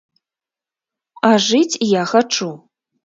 А жыць я хачу.